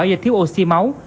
do thiếu oxy máu